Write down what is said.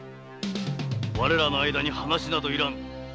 我らの間に話などいらぬ。